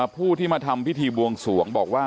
ผู้ที่มาทำพิธีบวงสวงบอกว่า